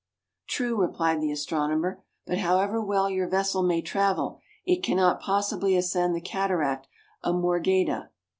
" True," replied the astronomer, " but however well your vessel may travel, it cannot possibly ascend the cataract ofMorgheda!"